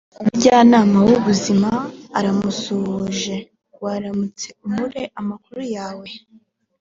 umujyanama w ubuzima aramusuhuje waramutse umure amakuru yawe